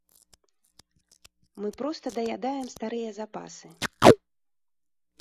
Мы проста даядаем старыя запасы.